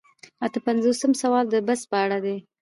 اته پنځوسم سوال د بست په اړه دی.